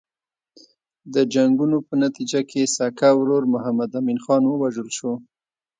د جنګونو په نتیجه کې سکه ورور محمد امین خان ووژل شو.